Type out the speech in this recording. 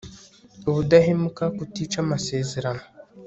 ubudahemuka, kutica amasezerano